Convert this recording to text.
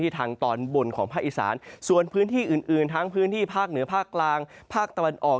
ทางตอนบนของภาคอีสานส่วนพื้นที่อื่นทั้งพื้นที่ภาคเหนือภาคกลางภาคตะวันออก